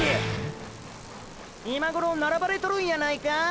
今頃並ばれとるんやないか？